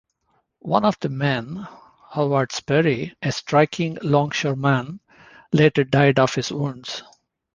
One of the men, Howard Sperry, a striking longshoreman, later died of his wounds.